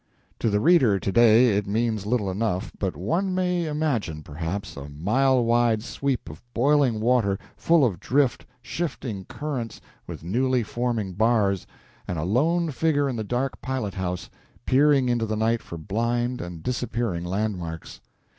To the reader to day it means little enough, but one may imagine, perhaps, a mile wide sweep of boiling water, full of drift, shifting currents with newly forming bars, and a lone figure in the dark pilot house, peering into the night for blind and disappearing landmarks.